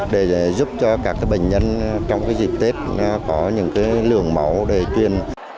để giúp cho các bệnh nhân trong dịp tết có những lượng máu để truyền